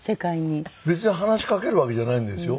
別に話しかけるわけじゃないんですよ。